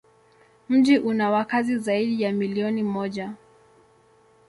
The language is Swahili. Mji una wakazi zaidi ya milioni moja.